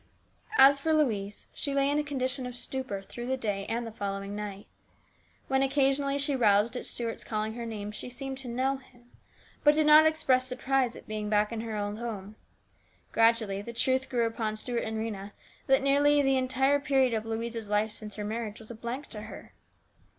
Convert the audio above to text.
As for Louise, she lay in a condition of stupor through the day and the following night. When occasionally she roused at Stuart's calling her name she seemed to know him, but did not express surprise '292 HIS BROTHER'S KEEPER. at being back in her old home. Gradually the truth grew upon Stuart and Rhena that nearly the entire period of Louise's life since her marriage was a blank to her.